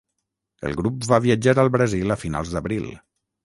El grup va viatjar al Brasil a finals d'abril.